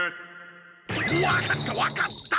分かった分かった！